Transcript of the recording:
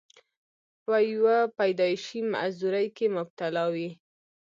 پۀ يو پېدائشي معذورۍ کښې مبتلا وي،